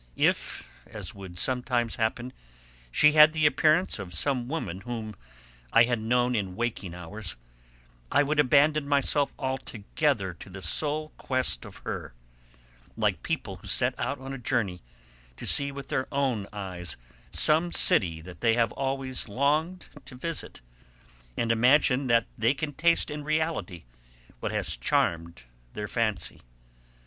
If, as would sometimes happen, she had the appearance of some woman whom I had known in waking hours, I would abandon myself altogether to the sole quest of her, like people who set out on a journey to see with their own eyes some city that they have always longed to visit, and imagine that they can taste in reality what has charmed their fancy.